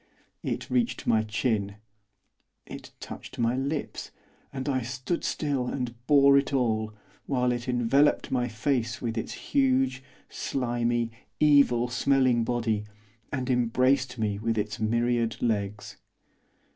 It reached my chin, it touched my lips, and I stood still and bore it all, while it enveloped my face with its huge, slimy, evil smelling body, and embraced me with its myriad legs.